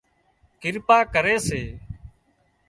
ڪرپا ڪري سي